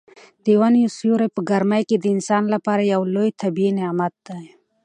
د ونو سیوری په ګرمۍ کې د انسان لپاره یو لوی طبیعي نعمت دی.